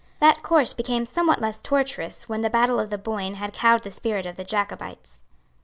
That course became somewhat less tortuous when the battle of the Boyne had cowed the spirit of the Jacobites.